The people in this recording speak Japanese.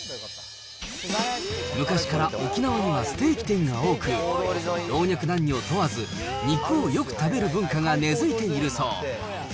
昔から沖縄にはステーキ店が多く、老若男女問わず、肉をよく食べる文化が根づいているそう。